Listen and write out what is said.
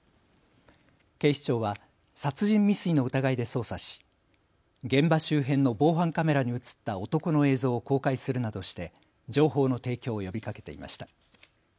警視庁は殺人未遂の疑いで捜査し現場周辺の防犯カメラに写った男の映像を公開するなどして情報の提供を呼びかけていました。